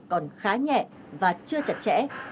còn khá nhẹ và chưa chặt chẽ